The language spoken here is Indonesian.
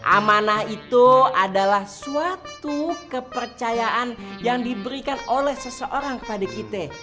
amanah itu adalah suatu kepercayaan yang diberikan oleh seseorang kepada kita